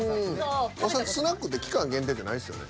おさつスナックって期間限定じゃないですよね？